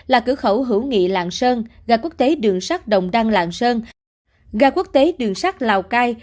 là cửa khẩu hữu nghị lạng sơn ga quốc tế đường sắt đồng đăng lạng sơn ga quốc tế đường sắt lào cai